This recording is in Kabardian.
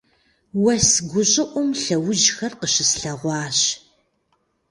Уэс гущӀыӀум лъэужьхэр къыщыслъэгъуащ.